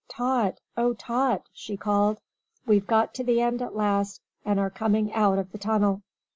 "Tot! Oh, Tot!" she called. "We've got to the end at last and are coming out of the tunnel!"